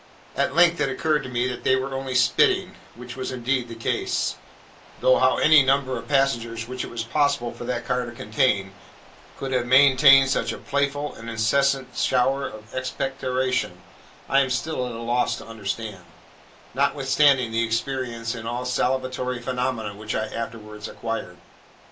At length it occurred to me that they were only spitting, which was indeed the case; though how any number of passengers which it was possible for that car to contain, could have maintained such a playful and incessant shower of expectoration, I am still at a loss to understand: notwithstanding the experience in all salivatory phenomena which I afterwards acquired.